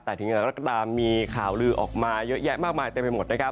แต่ถึงอย่างไรก็ตามมีข่าวลือออกมาเยอะแยะมากมายเต็มไปหมดนะครับ